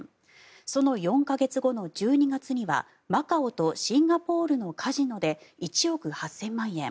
その４か月後の１２月にはマカオとシンガポールのカジノで１億８０００万円。